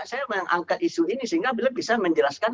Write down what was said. saya mengangkat isu ini sehingga beliau bisa menjelaskan